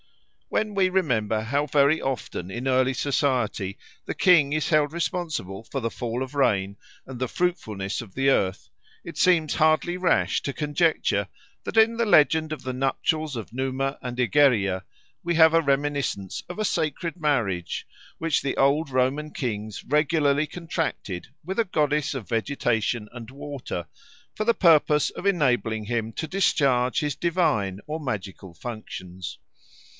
When we remember how very often in early society the king is held responsible for the fall of rain and the fruitfulness of the earth, it seems hardly rash to conjecture that in the legend of the nuptials of Numa and Egeria we have a reminiscence of a sacred marriage which the old Roman kings regularly contracted with a goddess of vegetation and water for the purpose of enabling him to discharge his divine or magical functions.